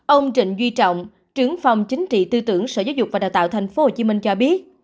ông trịnh duy trọng trưởng phòng chính trị tư tưởng sở giáo dục và đào tạo tp hcm cho biết